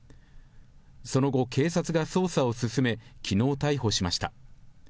その後、警察が捜査を進め、きのう逮捕しました。